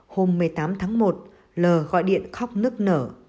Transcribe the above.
hôm một mươi tám tháng một lờ gọi điện khóc nước nở